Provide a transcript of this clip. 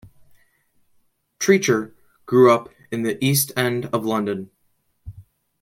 Treacher grew up in the East End of London.